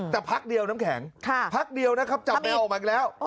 แต่พักเดียวแถมแข็งจับแมวออกมากันแล้ว